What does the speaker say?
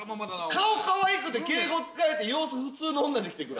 顔かわいくて敬語使えて様子普通の女で来てくれ。